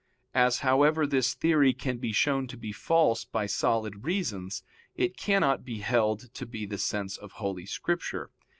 As, however, this theory can be shown to be false by solid reasons, it cannot be held to be the sense of Holy Scripture.